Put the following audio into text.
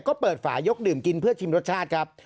ก็เปิดฝายกดื่มกินเพื่อชิมรสชาติครับ